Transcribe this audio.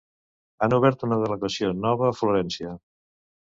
Han obert una delegació nova a Florència.